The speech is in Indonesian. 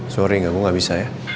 sorry gak mau gak bisa ya